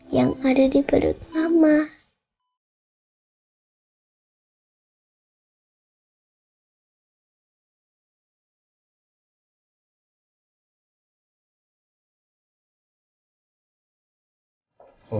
yang ada di belakang mama